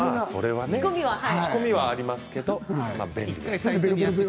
仕込みはあるけど便利です。